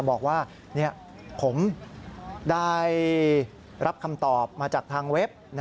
บอกว่าผมได้รับคำตอบมาจากทางเว็บ